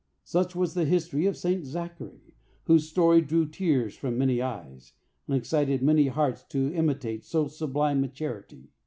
Such was the history of St. Zachary, whose story drew tears from many eyes, and excited many hearts to imitate so sublime a charity.